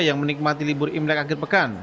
yang menikmati libur imlek akhir pekan